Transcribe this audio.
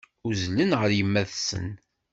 Uzzlen ɣer yemma-tsen.